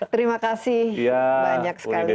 terima kasih banyak sekali